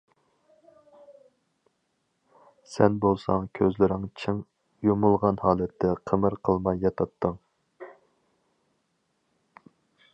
سەن بولساڭ كۆزلىرىڭ چىڭ يۇمۇلغان ھالەتتە قىمىر قىلماي ياتاتتىڭ.